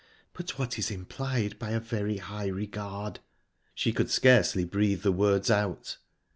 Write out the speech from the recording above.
"But what is implied by a very high regard?" She could scarcely breathe the words out.